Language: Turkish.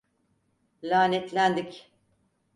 Lanetlendik!